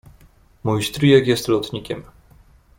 Mój stryjek jest lotnikiem.